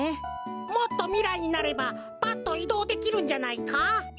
もっとみらいになればパッといどうできるんじゃないか？